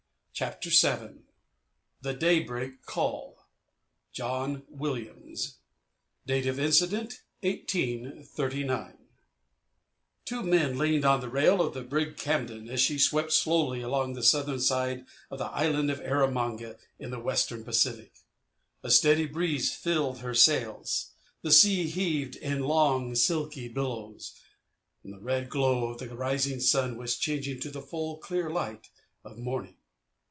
] CHAPTER VII THE DAYBREAK CALL John Williams (Date of Incident, 1839) Two men leaned on the rail of the brig Camden as she swept slowly along the southern side of the Island of Erromanga in the Western Pacific. A steady breeze filled her sails. The sea heaved in long, silky billows. The red glow of the rising sun was changing to the full, clear light of morning.